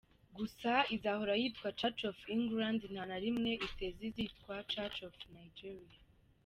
Gusa izahora yitwa church of England nta na rimwe iteze izitwa church of Nigeria.